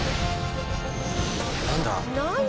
何だ？